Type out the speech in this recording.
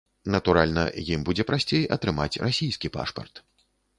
Натуральна, ім будзе прасцей атрымаць расійскі пашпарт.